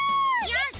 よし！